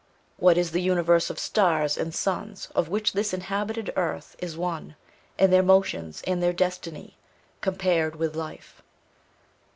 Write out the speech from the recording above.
What is the universe of stars, and suns, of which this inhabited earth is one, and their motions, and their destiny, compared with life?